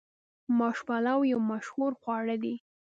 ماش پلو یو مشهور خواړه دي.